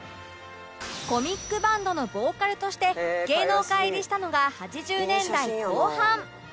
コミックバンドのボーカルとして芸能界入りしたのが８０年代後半